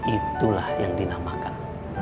itulah yang dinamakan